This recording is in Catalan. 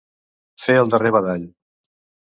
Fer el darrer badall.